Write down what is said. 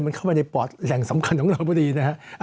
มันเข้าไปในปอดแห่งสำคัญของเราพอดีนะฮะ